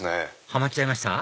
ハマっちゃいました？